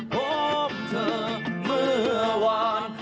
พบเธอเมื่อวาน